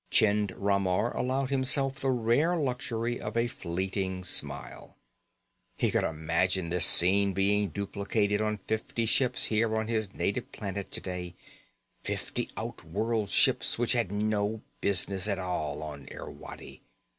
Chind Ramar allowed himself the rare luxury of a fleeting smile. He could imagine this scene being duplicated on fifty ships here on his native planet today, fifty outworld ships which had no business at all on Irwadi.